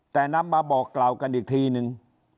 แต่นำมาบอกกล่าวกันอีกทีนึง